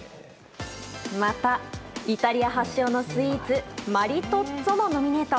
またイタリア発祥のスイーツマリトッツォもノミネート。